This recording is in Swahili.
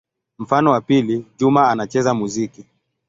Mfano wa pili: Juma anacheza muziki.